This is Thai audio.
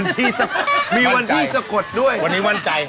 โอ้โฮบอกวันพี่ด้วยอ่ะเจ๋งมากเลย